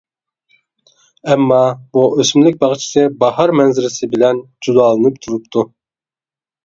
ئەمما بۇ ئۆسۈملۈك باغچىسى باھار مەنزىرىسى بىلەن جۇلالىنىپ تۇرۇپتۇ.